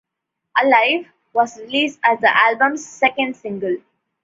"Alive" was released as the album's second single.